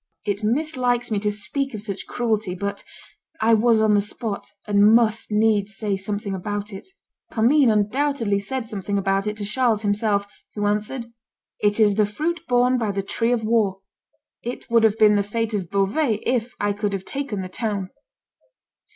It mislikes me to speak of such cruelty; but I was on the spot, and must needs say something about it." Commynes undoubtedly said something about it to Charles himself, who answered, "It is the fruit borne by the tree of war; it would have been the fate of Beauvais if I could have taken the town."